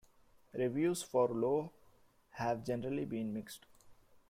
Reviews for "Low" have generally been mixed.